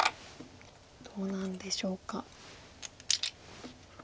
どうなんでしょうか。